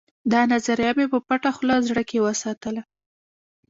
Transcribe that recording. دا نظریه مې په پټه خوله زړه کې وساتله